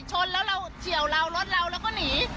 ชนแล้วเราเฉียวเรารถเราเราก็หนี